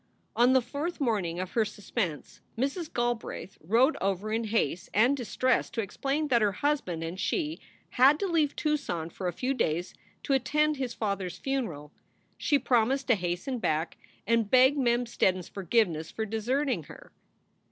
On the fourth morning of her suspense Mrs. Galbraith rode over in haste and distress to explain that her husband and she had to leave Tucson for a few days to attend his father s funeral. She promised to hasten back, and begged Mem Steddon s forgiveness for deserting her.